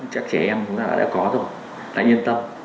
chắc trẻ em cũng đã có rồi đã yên tâm